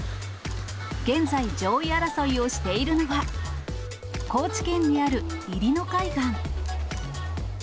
現在、上位争いをしているのは、高知県にある入野海岸。